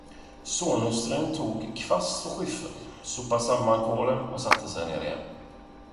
Sonhustrun tog kvast och skyffel, sopade samman kolen och satte sig ner igen.